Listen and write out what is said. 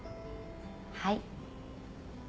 はい。